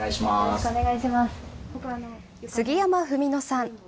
杉山文野さん。